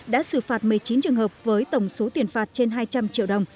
đã xử phạt một mươi chín trường hợp với tổng số tiền phạt trên hai trăm linh triệu đồng